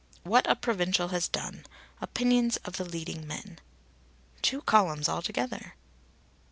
What a provincial has done. Opinions of the leading men." Two columns altogether!